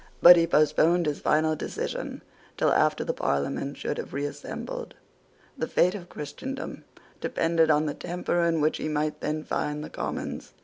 But he postponed his final decision till after the Parliament should have reassembled. The fate of Christendom depended on the temper in which he might then find the Commons.